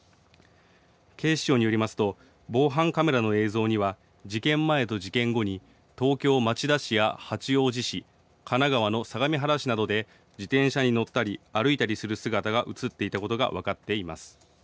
警視庁によりますと防犯カメラの映像には事件前と事件後に東京町田市や八王子市、神奈川の相模原市などで自転車に乗ったり歩いたりする姿が写っていたことが分かっています。